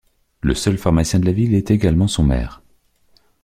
Le seul pharmacien de la ville est également son maire.